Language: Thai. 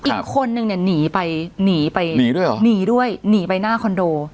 อีกคนนึงเนี่ยหนีไปหนีไปหนีด้วยเหรอหนีด้วยหนีไปหน้าคอนโด